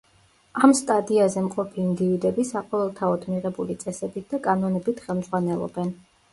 ამ სტადიაზე მყოფი ინდივიდები საყოველთაოდ მიღებული წესებით და კანონებით ხელმძღვანელობენ.